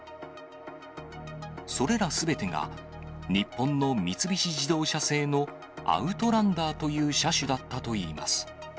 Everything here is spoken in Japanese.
それらすべてが、日本の三菱自動車製のアウトランダーという車種だったといいます。